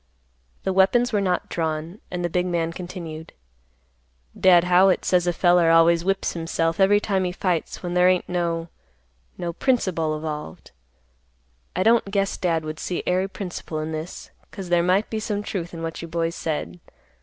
The weapons were not drawn, and the big man continued, "Dad Howitt says a feller always whips himself every time he fights when there ain't no—no principle evolved. I don't guess Dad would see ary principle in this, 'cause there might be some truth in what you boys said.